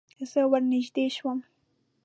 زه ور نږدې شوم.